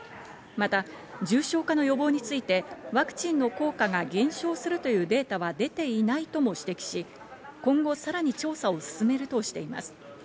また重症化の予防についてワクチンの効果が減少するというデータは出ていないとも指摘し、今後さらに調査を進めるとしています。